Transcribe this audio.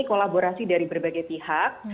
kolaborasi dari berbagai pihak